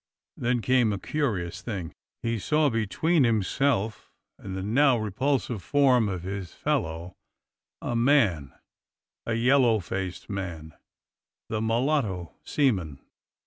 Then came a curious thing: He saw between himself and the now repulsive form of his fellow a man — a yellow faced man — the mulatto seaman.